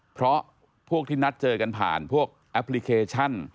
เพราะพวกที่นัดเจอกันผ่านพวกแอปพลิเคชัน